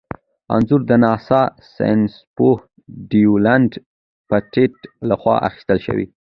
انځور د ناسا ساینسپوه ډونلډ پېټټ لخوا اخیستل شوی.